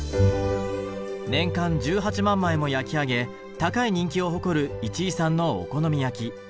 年間１８万枚も焼き上げ高い人気を誇る市居さんのお好み焼き。